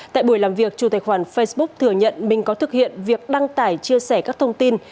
tại buổi làm việc chủ tài khoản facebook thừa nhận mình có thực hiện việc đăng tải chia sẻ các thông tin